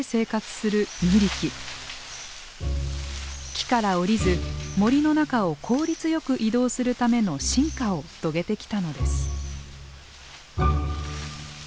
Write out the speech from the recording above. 木から下りず森の中を効率よく移動するための進化を遂げてきたのです。